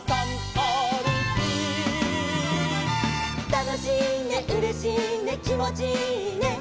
「たのしいねうれしいねきもちいいね」